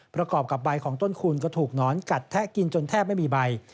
ประกอบกับใบของต้นคูณก็ถูกหนอนกัดแทะกินจนแทบไม่มีใบ